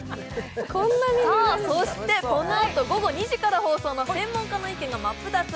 そして、このあと午後２時から放送の「専門家の意見が真っ二つ！